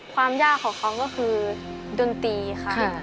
ความยากของเขาก็คือดนตรีค่ะ